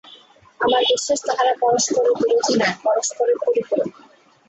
আমার বিশ্বাস, তাহারা পরস্পরের বিরোধী নয়, পরস্পরের পরিপূরক।